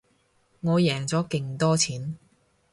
我贏咗勁多錢